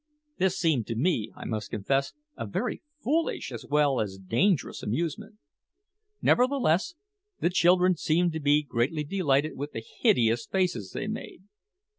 This seemed to me, I must confess, a very foolish as well as dangerous amusement. Nevertheless, the children seemed to be greatly delighted with the hideous faces they made.